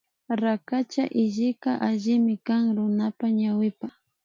Rakacha hillika allimi kan runapa ñawipa